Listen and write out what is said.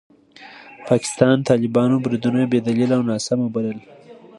پاکستان د طالبانو بریدونه بې دلیله او ناسم وبلل.